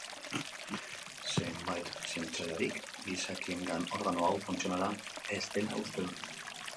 Zenbait zientzialarik gizakiengan organo hau funtzionala ez dela uste dute.